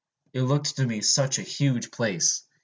It looked to me such a huge place!